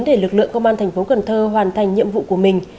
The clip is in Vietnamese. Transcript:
để lực lượng công an tp cn hoàn thành nhiệm vụ của mình